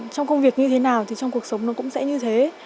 trong công việc như thế nào thì trong cuộc sống nó cũng sẽ như thế